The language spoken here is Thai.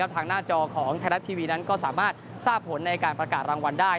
ทางหน้าจอของไทยรัฐทีวีนั้นก็สามารถทราบผลในการประกาศรางวัลได้